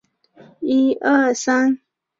要不然就要到周四